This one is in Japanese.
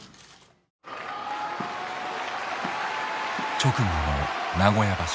直後の名古屋場所。